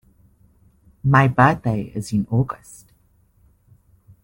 My birthday is in August.